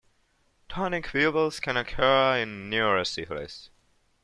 Tonic pupils can occur in neurosyphilis.